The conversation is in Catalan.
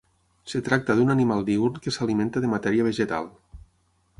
Es tracta d'un animal diürn que s'alimenta de matèria vegetal.